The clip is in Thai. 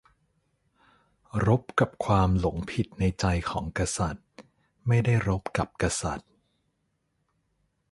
"รบกับความหลงผิดในใจของกษัตริย์ ไม่ได้รบกับกษัตริย์"